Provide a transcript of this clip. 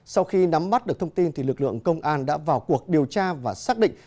sau khi nắm mắt được thông tin lực lượng công an đã vào cuộc điều tra và xác định